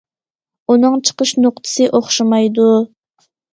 ئۇنىڭ چىقىش نۇقتىسى ئوخشىمايدۇ.